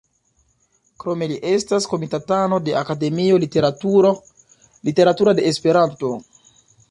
Krome li estas komitatano de Akademio Literatura de Esperanto.